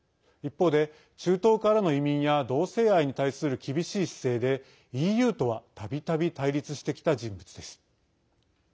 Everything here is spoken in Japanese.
一方で中東からの移民や同性愛に対する厳しい姿勢でＥＵとは、たびたび対立してきた人物です。